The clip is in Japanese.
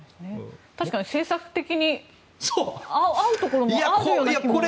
確かに政策的に合うところもあるような気も。